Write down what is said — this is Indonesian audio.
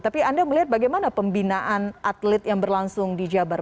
tapi anda melihat bagaimana pembinaan atlet yang berlangsung di jabar